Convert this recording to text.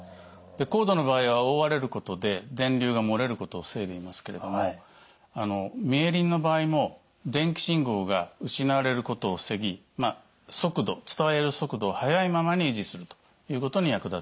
コードの場合は覆われることで電流が漏れることを防いでいますけれどもミエリンの場合も電気信号が失われることを防ぎ速度伝える速度を速いままに維持するということに役立っています。